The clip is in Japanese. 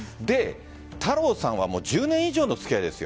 太郎さんは１０年以上の付き合いですよ。